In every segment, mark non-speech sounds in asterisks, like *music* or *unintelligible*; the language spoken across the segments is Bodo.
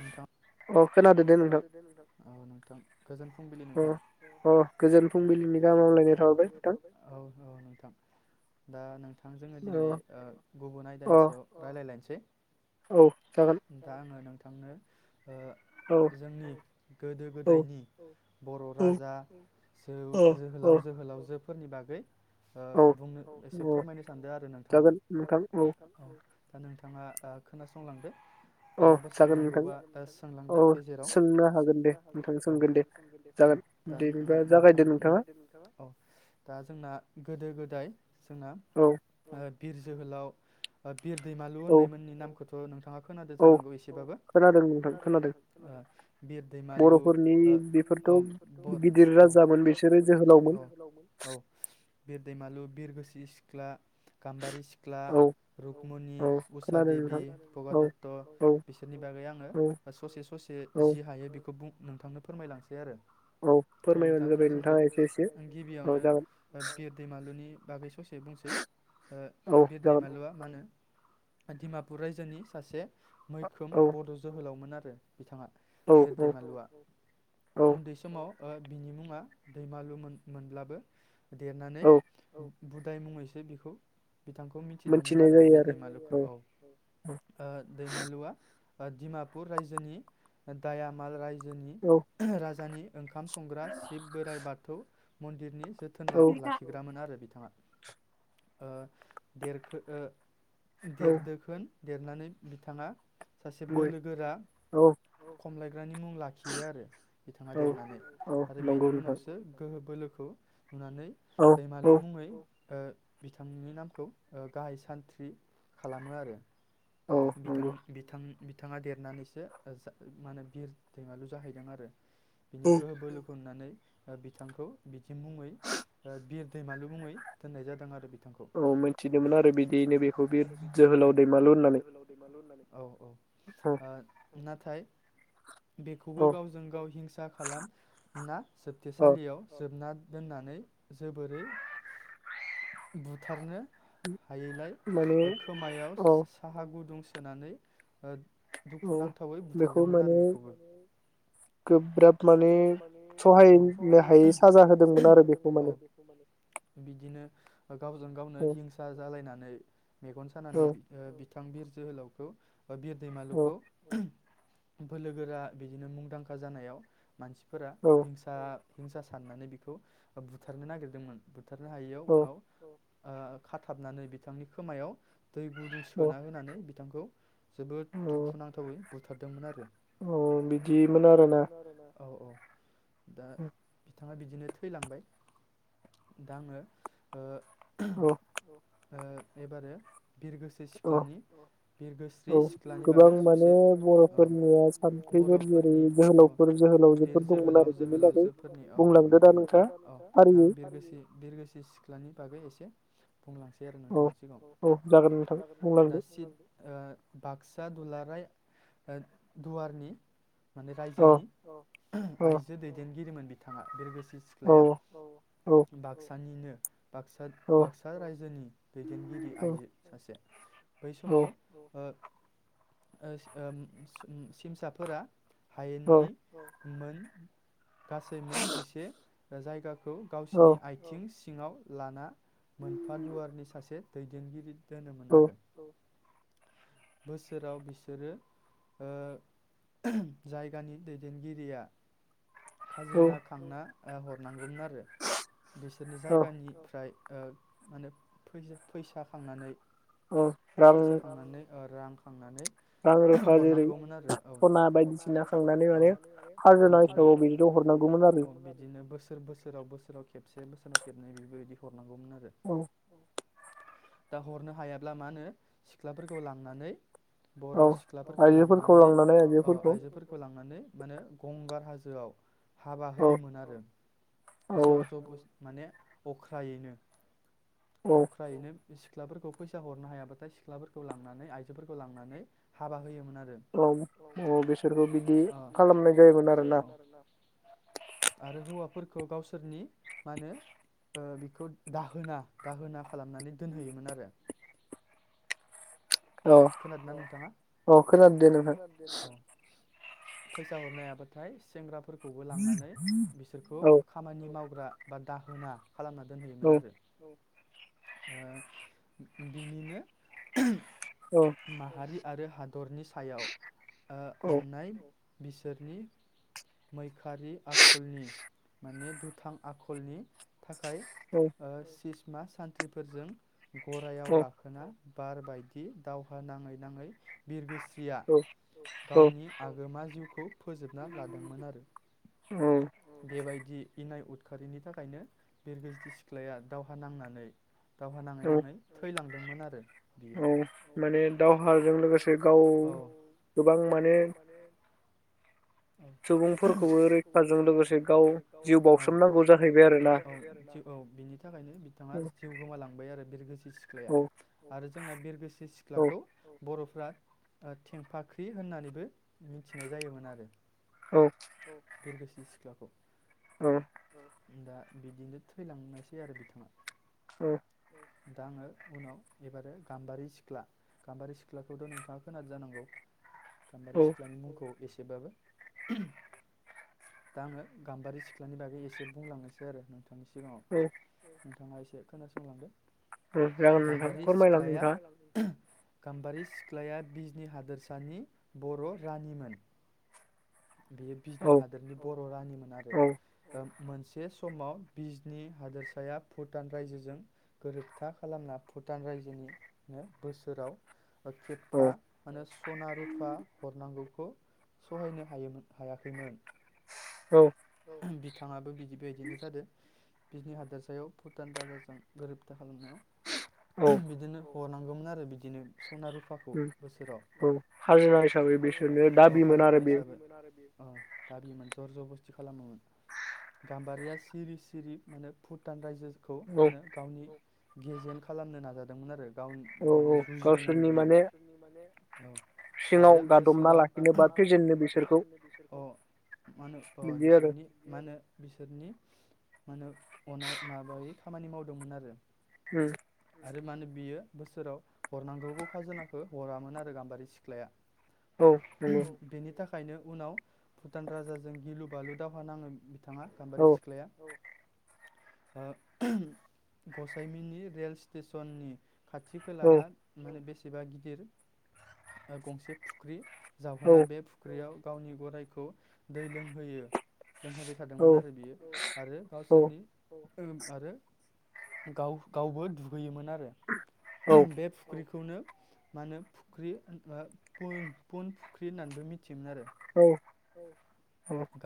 नोंथां औ खोनादो दे नोंथां औ नोंथां। *inaudible* गोजोन फुंबिलि नोंथां औ गोजोन फुंबिलिनि गामलायनाय थाबाय औ। *inaudible* औ नोंथां दा नों *inaudible* थां जोङो दिनै ओ गुबुन आयदानि सायाव रायलायलायनोसै। औ दा आङो नों थांनो ओ जोंनि गोदो गोदायनि बर' राजा जो जोहोलाव जोहोलावजो फोरनि बागै ओ बुंनो एसे फोरमायनो सानदो‌ आरो नोंथांनो औ। दा नोंथाङा ओ खोनासंलांदो। अ। सोंनांगौबा दा सोंलांदो गेजेराव औ औ दा नों नोंथां अ दा जोंना गोदो गोदाय जोंना ओ बिर जोहोलाव ओ बिर दैमालु होननायमोननि नामखो थ' नोंथाङा खोनादों जानांगौ एसेबाबो ओ बिर दैमालु ओ औ बर औ औ औ बिर दैमालु बिरगोस्रि सिख्ला गाम्बारि सिख्ला रुक्मुनि उसा देबि भगदत्त नि बागै आङो ससे ससे जि हायो बे खौ बुं नोंथांनो फोरमायलांसै आरो नोंथाङा खोनासंदो गिबियावनो बिर दैमालुनि बागै ससे बुंसै ओ बिर दैमालुआ मानो डिमापुर रायजोनि सासे खोम बड' जोहोलावमोन आरो *inaudible* बिथाङा बिर दैमालुआ उन्दै समाव ओ बिनि मुङा दैमालुमोन मोनब्लाबो देरनानै बुदाय मुङैसो बेखौ बिथांखौ मिथिदोंमोन आरो बिर दैमालुखौ औ ओ दैमालुआ ओ दिमापुर रायजोनि दायामाल राय जोनि राजानि ओंखाम संग्रा शिब बोराइ बाथौ मन्दिरनि जोथोन ला लाखिग्रामोन आरो बिथाङा। ओ देरखो देरदोखोन देरनानै बिथाङा सासे बोलो गोरा खमलायग्रानि मुं लाखियो आरो बिथाङा देरनानै आरो बेनि उनावसो गोहो बोलो खौ नुनानै दैमालु मुङै ओ बिथांनि नामखौ ओ गाहाय सानथ्रि खालामो आरो। औ नंगौ। बिथाङा देरनानैसो माने बिर दैमालु जाहैदों आरो। बिनिखौ बोलोखौ नुनानै। बिथांखौ बिथि मुङै बिर दैमालु मुङै दोननाय जादों आरो। औ मिथिदोंमोन आरो बिदियैनो बेखौ बिल जोहोलाव दैमालु होननानै। औ। औ *unintelligible* थाइ बेखौबो गावजों गाव हिंसा खालामना जोबथेसालियाव जोबना दोननानै जोबोरै बुथारनो। हायैलाय खोमायाव साहा गुदुं होनानै। ओ। दुखु नांथावै बुथारदोंमोन आरो बेखौबो। गोब्राब माने सहायै मिनो हायै सा होदोंमोन आरो बेखौ माने बिदिनो। गावजों गावनो हिंसा जालायनानै मेगन सानानै बि ओ बि थांबिर जोहोलावखौ। बा बिर दैमालुखौ। बोलो गोरा बिदिनो मुंदांखा जानायाव। मानसिफोरा हिंसा। हिंसा साननानै बेखौ बुथारनो नागिरदोंमोन। बुथारनो हायियाव उनाव *unintelligible* खाथाबनानै बिथांनि खोमायाव। दै गुदुं सोना होनानै। बिथांखौ। *inaudible* जोबोद दुखुुनांथावै। *inaudible* बुथारदोंमोन आरो। अ बिदि मोन आरो ना? औ औ *inaudible* दा *inaudible* बिथाङा बिदिनो थैलांबाय दा आङोओ औ। ओ एबारो *inaudible* बिरगोस्रि सिख्लानि बिरगोस्रि सिख्लानि बागै ससे बरफोरनि। *inaudible* *inaudible* बुंलांसै आरो नोंथांनि सिगाङाव औ औ जगोनदे दासिम बाक्सा दुलाराय *inaudible* ओ दुवारनि। *inaudible* माने रायजोनि अ। *inaudible* आइजो दैदेन *inaudible* गिरिमोन बिथांङा। बिरगोस्रि सिख्लाया बाक्सानिनो बाक्सा बाक्सा रायजोनि दैदेनगिरि आइजो सासे *inaudible* बै समाव ओ ओस ओम सिमसाफोरा हायेननि औ। *inaudible* मोन *inaudible* गासै मोनजिसे *inaudible* जायगा *inaudible* खौ गावसिोरनि आथिंस *inaudible* सिङाव लाना मोनफादुवारनि सासे दैदेनगिरि दोनोमोन आरो औ। *inaudible* बोसोराव बिसोरो ओ जायगानि दैदेनगिरि *unintelligible* खाजोना खांना *inaudible* ओ हरनांगौमोन आरो बिसोरनि जायगानिफ्राय। ओ माने फैसा खांनानै। औ रां। ओ रां खांनानै। रां रुफा जेरै सना बायदिसिना खांनानै माने। बिदिनो बिदिनो अ बोसोर बोसोराव बोसोराव। खेबसे मोसानायाव खेबनै बेबायदि *unintelligible* नांगौमोन आरो। दा हरनो हायाब्ला मा होनो सिख्लाफोरखौ लांनानै। बर' सिख्लाफोरखौ लांनानै अ आइजोफोरखौ लांनानै। मानो गंगार हाजोआव। हाबा होयोमोन आरो जर जबस माने। अख्रायैनो। अख्रायैनो। सिख्लाफोरखौ फैसा हरनो हायाबाथाय सिख्लाफोरखौ लांनानै आइजोफोरखौ लांनानै हाबा होयोमोन आरो। औ औ बिसोरखौ बिदि खालाम। खालामनाय जायोमोन आरोना आरो हौवा। फोरखौ गावसोरनि मा होनो ओ बिखौ दाहोना दाहोना खालामनानै दोनहोयोमोन आरो। खोनादों ना नोंथाङा औ खोनादों दे नोंथां औ। फैसा हरनो हायाबाथाय सेंग्राफोर खौबो लांनानै बिसोरखौ खामानि मावग्रा। बा दाहोना। खालामना दोनहैयोमोन आरो। ओ बिनिनो। माहारि। आरो हा दरनि सायाव ओ अन्नाय बिसोरनि मैखारि आखलनि माने दुथां आखलनि। थाखाय ओ सिस मा सानथ्रिफोरजों। गरायाव गाखोना। बार बायदि। दावहा नाङै-नाङै बिरगोस्रि सिया गावनि आगोमा जिउखौ फोजोबना लादोंमोन आरो बेबायदि इनाय उदखारिनि थाखायनो बिरगोस्रि सिख्लाया दावहा नांनानै दावहा नाङै-नाङै थैलांदों दोंमोन आरो बियो माने दावहाजों लोगोसे गाव गोबां माने औ सुबुंफोरखौ रैखाजों लोगोसे गाव जिउ बावसोमनांगौ जाहैबाय आरो ना औ बिनि थाखायनो बिथाङा जिउ गोमालांबाय आरो बिरगोस्रि सिख्लाया आरो जोंना बिरगोस्रि सिख्लाखौ बर' फ्रा थेंफाख्रि होननानैबो मिथिनाय जायोमोन आरो औ बिरगोसि सिख्लाखौ औ दा बिदिनो थैलांनायसै आरो बिथाङा औ दा आङो उनाव एबारो गाम्बारि सिख सिख्ला गाम्बारि सिख्लाखौथ' नोंथाङा खोनादो जानांगौ गाम्बारि सिख्लानि मुंखौ एसे एसेबाबो दा आङो गाम्बारि सिख्लानि बागै एसे बुंलांनोसै आरो नोंथां सिगाङाव नोंथाङा एसे खोनासंलांदो औ जागोन नोंथां फोरमायलां नोंथाङा गाम्बारि सिख्लाया बिजनि हादोरसानि बर' रानिमोन बेयो बिजनि हादोरनि बर' रानिमोन आरो मोनसे समाव बिजनि हादोरसाया भुटान रायजोजों गोरोबथा खालामना भुटान रायजोनिनो बोसोराव खेबफा माने सना, रुफा हरनांगौखौ सहायनो हायोमोन हायाखैमोन औ बिथाङाबो बिदि बेबायदिनो जादो बिजनि हादोरसायाव भुटान राजाजों गोरोबथा खालामनायाव बिदिनो हरनांगौमोन आरो बिदिनो सना रुफाखौ बोसोराव उम औ खाजोना हिसाबै अ दाबि मोन जर जबस्थ खालामोमोन गाम्बारिया सिरि सिरि माने भुटान रायजो खौ माने गावनि गेजेेन खालामनो नाजादोंमोन आरो। गाव माने जुजिदोंमोन बियो गावसोरनि माने। औ आरो बोसोराव गादरना लाखिनोबा फेजेननो बिसोर औ मा होनो? अ बिसोरनि मा होनो बिसोरनि‌। मा होनो अ माबायै खामानि मावदोंमोन आरो। उम। आरो मा होनो बियो बोसोराव हरनांगौखौ खाजोनाखो हरामोन आरो गाम्बारि सिख्लाया। औ बेनिथा खायनो उनाव भुटान राजाजों गिलु बालु दावहा नाङो। बिथाङा गाम्बारि सिख्लाया औ। ओ गसाइमिनि रेल स्टेसननि। खाथि खालाहा माने बेसे बा गिदिर गंसे फुख्रि जावहोना बे फुख्रियाव गावनि गरायखौ दै लोंहोयो। लोंहोबाय थादोंमोन आरो बियो आरो गावसोरनि आरो गाव गावबो दुगैयोमोन आरो। बे फुख्रि खौनो मानो फुख्रि फ फन फुख्रि होननानैबो मिथियोमोन आरो। औ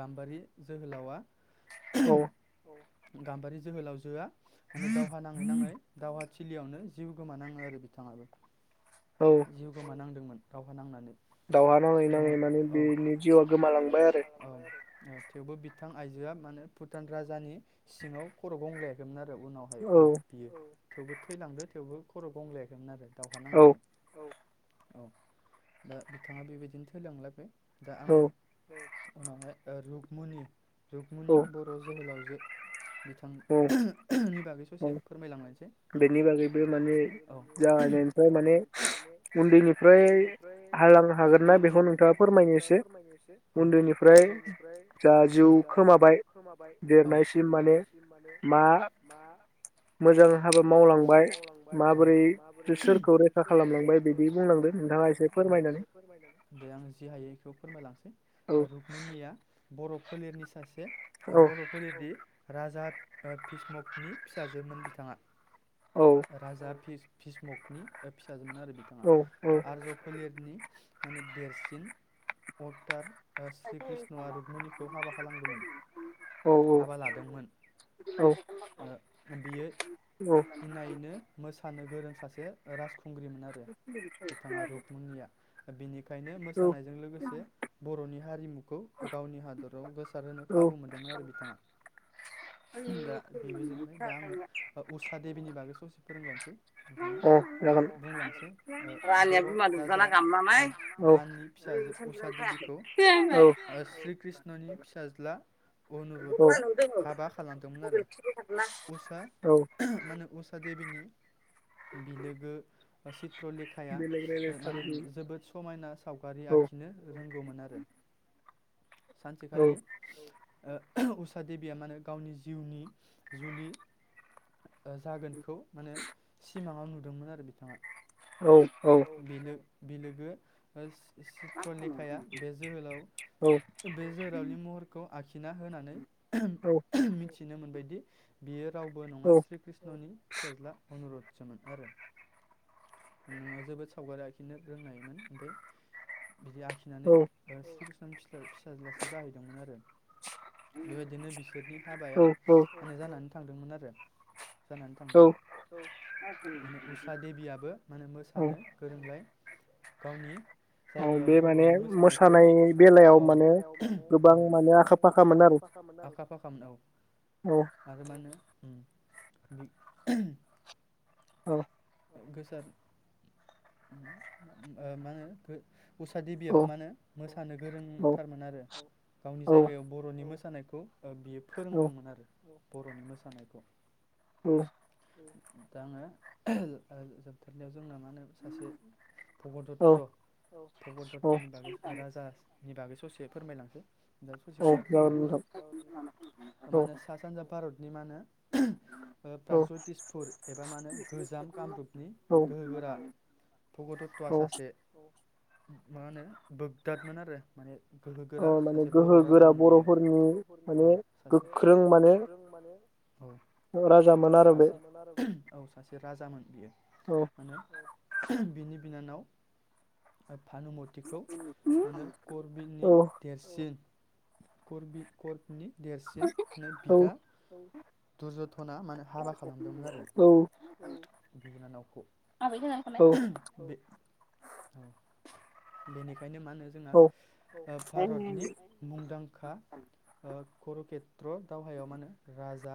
गाम्बारि। जोहोलावा औ। गाम्बारि जोहोलावजोआ माने दावहा नाङै नाङै दावहा थि थिलियावनो जिउ गोमानाङो आरो बिथाङाबो। जिउ गोमानांदोंमोन। दावहा नांनानै। दावहा नाङै नाङै माने बिनि जिउआ गोमालांबाय आरो। थेवबो बिथां आइजोआ माने भुटान राजानि सिङाव खर' गंलायाखैमोन आरो। *unintelligible* उनावहायबो बियो औ। थेवबो थैलांदो थेवबो खर' गंग्लायाखैमोन आरो। दावहा नांनानै औ औ दा बिथाङा बेबायदिनो थैलांलायबाय। दा आङो औ। उनावहाय ओ रुकमुनि रुक्मनि बर' जोहोलावजो बिथां नि बा गै ससे फोरमायलांसै औ *inaudible* फ्राय माने उन्दैनिफ्राय हालांनो हागोन ना बेखौ नोंथाङा फोरमायनो एसे औ उन्दैनिफ्राय जा जिउ खोमाबाय औ देरनायसिम माने मा मोजां हाबा मावलांबाय माबोरै *unintelligible* सोरखौ रैखा खालाम खौ रैखा खालामलांबाय बिदि बुंलांदों नोंथाङा एसे फोरमायनानै दे आं जि हायो इखौ फोरमायलांसै रुक्मनिया बर' फोलेरनि सासे ओ बर' फोलेरनि राजा ओ भिष्मकनि फिसाजोमोन बिथाङा। राजा भिष भिष्मकनि ओ फिसाजोमोन आरो बिथाङा आर्ज्य फोलेरनि माने देरसिन अरटार ओ श्री कृष्णआ रुक्मनिखौ हाबा खालामदोंमोन हाबा लादोंमोन ओ बियो इनायनो मोसानो गोरों। सासे राज खुंग्रिमोन आरो बिथाङा रुक्मनिया बिनिखायनो मोसानायजों लोगोसे बर'नि हारिमु खौ गावनि हादराव गोसार होनो खाबु मोनदोंमोन आरो बिथाङा दा बेबो जोबबाय दा आङो ओ उषा देबिनि बागै ससे फोरोंलायनोसै नोंथांनो। *unintelligible* बुंलांसै ओ बर' राजा ओ बाननि फिसाजो उषा देबिखौ ओ श्री कृष्णनि फिसाज्ला अनुरुदा हाबा खालामदोंमोन आरो उषा मा होनो उषा देबिनि बिलोग गो बा चित्रलेखाया मा होनो बि जोबोद समायना सावगारि आखिनो रों गौमोन आरो। *inaudible* सानसेखालि ओ उषा देबिया माने गावनि जिउनि जुलि। जागोनखौ माने सिमाङाव नु दंमोन आरो बिथाङा।। *inaudible* औ औ। बिलोगो ओ चित्र लेखाया बे जोहोलाव बे जोहलावनि महरखौ आखि खिना होनानै औ। थिनो मोनबायदि बियो रावबो नङा श्री कृष्णनि फिसाज्ला अनुरद। *unintelligible* जोबोद सावगारि आखिनो रोंनायमोन ओमफ्राय बिदि आखिनानै ओ श्री *unintelligible* फिसाज्लासो जाहैदोंमोन आरो बेबायदिनो बिसोरनि हाबाया माने जानानै थांदोंमोन आरो। *inaudible* जानानै थांदोंमोन उम माने उषा देबियाबो माने मोसानो गोरोंलाय गावनि जायगायाव बरनि मोसानायखौ मोसानाय बेलायाव औ गोबां माने आखा फाखा मोन आरो आखा फाखा मोन औ आरो मा होनो उम *inaudible* *unintelligible* औ। गोसार मा होनो? उशा देबियाबो मा होनो मोसानो गोरोंथारमोन आरो गावनि जायगायाव बरनि मोसा नायखौ बियो फोरोंदोंमोन आरो। बरनि मोसानायखौ। उम। दा आङो *inaudible* जोंना मा होनो सासे भगदत्त भगदत्तनि बागै राजानिन बागै ससे फोरमायलांदो। दा ससे खोनासंबावदो मा होनो सा सानजा भारतनि मा होनो प्रागज्यतिसपुर एबा मा होनो? *inaudible* गोजाम कामरुपनि गोहोगोरा भगदत्तआ सासे मा होनो बोग्दादमोन आरो माने गोहो गोरा सासे बर' राजामोन बियो। गोहो गोरा बर'फोरनि औ सासे गोख्रों माने औ सासे औ राजामोन आरो राजामोन बियो मानो बिनि बिनानाव भानुमथिखौ माने गरबिननि देरसिन करबि कर नि देरसिन बिदा दुरजधना मानो हाबा खालामदोंमोन आरो बिनानावखौ बे औ बेनि बखायनो मा होनो जोंहा भारतनि मुंदांखा ओ कुरुषेत्र दावहायाव मा होनो राजा